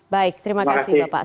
baik terima kasih bapak